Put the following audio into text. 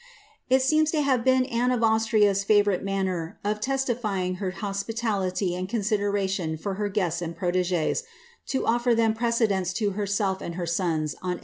It seems to have been Anne of Austria^s favourite manner of testifying her hospitality and consideration for her guests and protegees, to offer them precedence to herself and her sons 'Memoirs of Henrietta Maria, 1671, p.